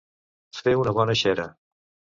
Fer una bona xera.